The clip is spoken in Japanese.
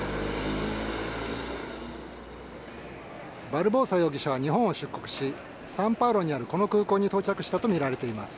バルボサ容疑者は日本を出国しサンパウロにある、この空港に到着したとみられています。